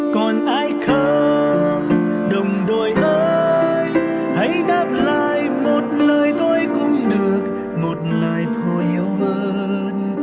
còn ai không đồng đội ơi hãy đáp lại một lời tôi cũng được một lời thôi yêu ơi